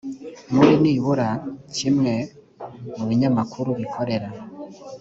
muri nibura kimwe mu binyamakuru bikorera